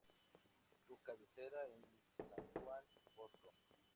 Su cabecera es San Juan Bosco.